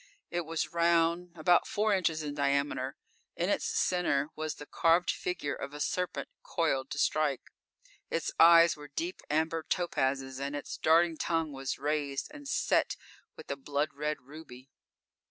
It was round, about four inches in diameter. In its center was the carved figure of a serpent coiled to strike. Its eyes were deep amber topazes and its darting tongue was raised and set with a blood red ruby.